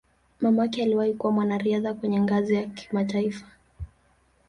Mamake aliwahi kuwa mwanariadha kwenye ngazi ya kitaifa.